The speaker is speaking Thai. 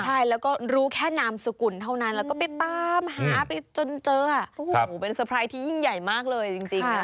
ใช่แล้วก็รู้แค่นามสกุลเท่านั้นแล้วก็ไปตามหาไปจนเจอโอ้โหเป็นเตอร์ไพรส์ที่ยิ่งใหญ่มากเลยจริงนะ